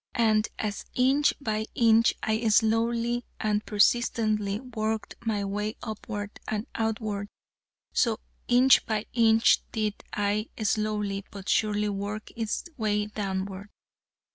And as inch by inch I slowly and persistently worked my way upward and outward, so inch by inch did it slowly, but surely, work its way downward.